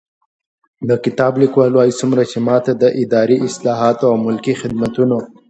د کتاب لیکوال وايي، څومره چې ما ته د اداري اصلاحاتو او ملکي خدمتونو